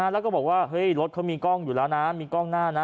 แล้วก็บอกว่าเฮ้ยรถเขามีกล้องอยู่แล้วนะมีกล้องหน้านะ